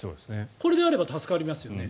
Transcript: これであれば助かりますよね。